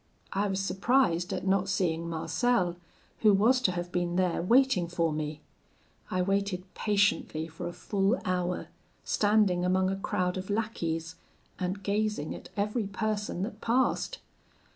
I was surprised at not seeing Marcel, who was to have been there waiting for me. I waited patiently for a full hour, standing among a crowd of lackeys, and gazing at every person that passed.